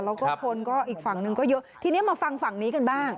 แล้วก็คนก็อีกฝั่งหนึ่งก็เยอะทีนี้มาฟังฝั่งนี้กันบ้าง